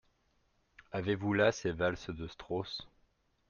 Avez-vous là ces valses de Strauss ?